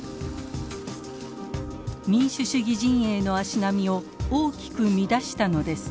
民主主義陣営の足並みを大きく乱したのです。